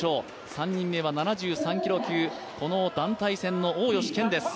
３人目は７３キロ級この団体戦の大吉賢です。